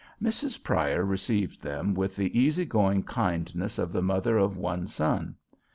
Mrs. Pryor received them with the easy going kindness of the mother of one son.